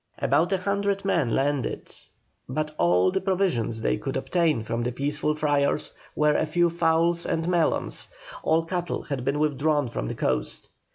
About a hundred men landed, but all the provisions they could obtain from the peaceful friars were a few fowls and melons; all cattle had been withdrawn from the coast.